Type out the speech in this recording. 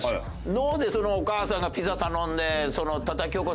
脳でお母さんがピザ頼んでたたき起こす。